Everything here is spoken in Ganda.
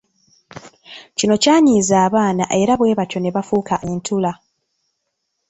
Kino kyanyiza abaana era bwe batyo ne bafuuka entula.